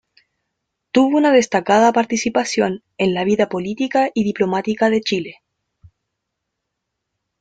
Tuvo una destacada participación en la vida política y diplomática de Chile.